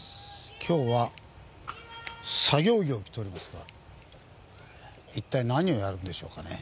今日は作業着を着ておりますが一体何をやるんでしょうかね。